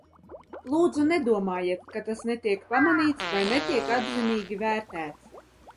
Lūdzu, nedomājiet, ka tas netiek pamanīts vai netiek atzinīgi vērtēts.